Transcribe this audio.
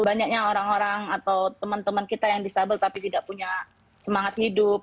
banyaknya orang orang atau teman teman kita yang disabel tapi tidak punya semangat hidup